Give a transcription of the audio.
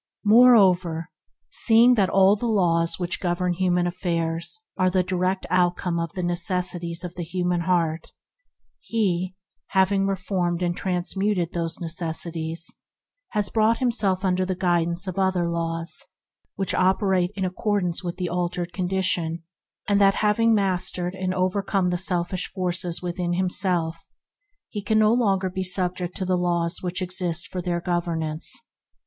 More over, seeing that all laws governing human 68 ENTERING THE KINGDOM affairs are the direct outcome of the neces sities of the human heart, and having re formed and transmuted those necessities, he has brought himself under the guidance of other laws operative in accordance with his altered condition; and having mastered and overcome the selfish forces within himself, he can no longer be subject to the laws which exist for their governance.